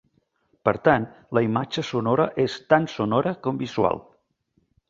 Per tant la imatge sonora és tant sonora com visual.